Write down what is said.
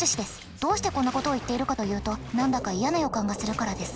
どうしてこんなことを言っているかというと何だか嫌な予感がするからです。